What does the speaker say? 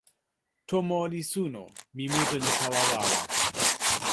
tomo li suno. mi mute li tawa wawa.